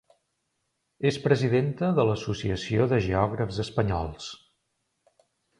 És presidenta de l'Associació de Geògrafs Espanyols.